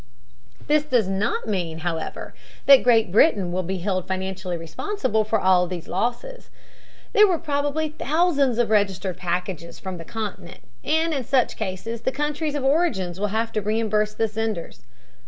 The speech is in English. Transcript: "This does not mean, however, that Great Britain will be held financially responsible for all these losses. There were probably thousands of registered packages from the Continent, and in such cases the countries of origin will have to reimburse the senders.